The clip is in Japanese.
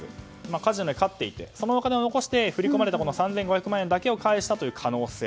カジノで買っていてそのお金を残して振り込まれた３５００万円だけを返したという可能性。